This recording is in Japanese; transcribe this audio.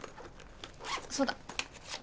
そうだ。